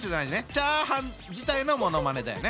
チャーハン自体のものまねだよね？